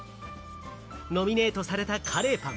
ノミネートされたカレーパン。